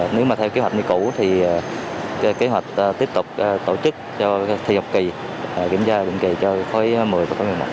nếu mà theo kế hoạch như cũ thì kế hoạch tiếp tục tổ chức cho thi học kỳ kiểm tra định kỳ cho khóa một mươi và khóa một mươi một